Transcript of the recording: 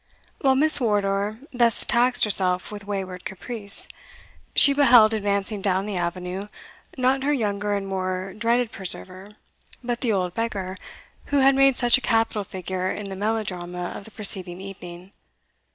While Miss Wardour thus taxed herself with wayward caprice, she, beheld advancing down the avenue, not her younger and more dreaded preserver, but the old beggar who had made such a capital figure in the melodrama of the preceding evening.